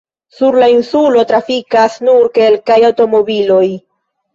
Sur la insulo trafikas nur kelkaj aŭtomobiloj.